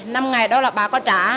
năm ngày đó là bà có trả